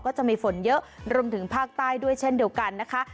ก็จะมีฝนเยอะรวมถึงภาคใต้ด้วยเช่นเดียวกันนะคะ